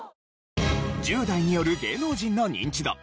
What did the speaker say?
１０代による芸能人のニンチド